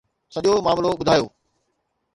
سڄو معاملو ٻڌايو.